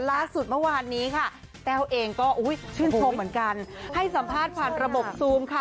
ล่าสุดเมื่อวานนี้ค่ะแต้วเองก็ชื่นชมเหมือนกันให้สัมภาษณ์ผ่านระบบซูมค่ะ